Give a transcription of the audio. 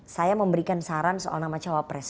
saya memberikan saran soal nama cawapres